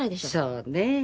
そうね。